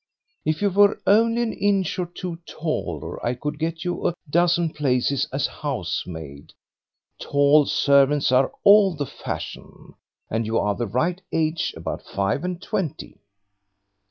If you were only an inch or two taller I could get you a dozen places as housemaid; tall servants are all the fashion, and you are the right age about five and twenty."